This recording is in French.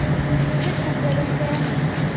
Qu’est-ce que vous allez faire ?